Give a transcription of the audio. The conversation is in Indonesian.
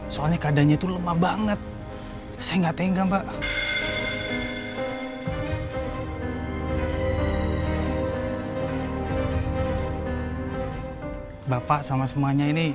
soalnya keadaannya itu lemah banget saya enggak tengga mbak bapak sama semuanya ini